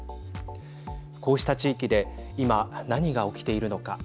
こうした地域で今何が起きているのか。